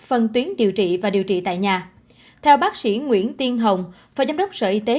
phân tuyến điều trị và điều trị tại nhà theo bác sĩ nguyễn tiên hồng phó giám đốc sở y tế